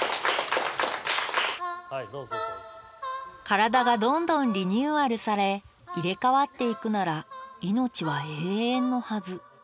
体がどんどんリニューアルされ入れ替わっていくなら命は永遠のはず。